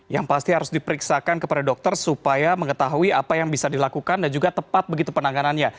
yang pasti harus diperiksakan kepada dokter supaya mengetahui apa yang bisa dilakukan dan juga tepat begitu penanganannya